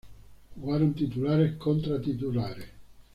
Jugaron titulares contra titulares.